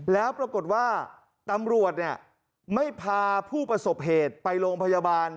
แล้วปรากฏว่าตำรวจไม่พาผู้ประสบเหตุไปโรงพยาบาล